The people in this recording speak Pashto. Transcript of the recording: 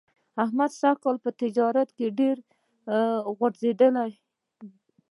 احمد سږ کال په تجارت کې ډېر غورځېدلی دی.